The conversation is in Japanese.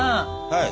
はい。